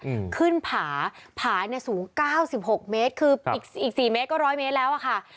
อืมขึ้นผาผาเนี้ยสูงเก้าสิบหกเมตรคืออีกอีกสี่เมตรก็ร้อยเมตรแล้วอ่ะค่ะ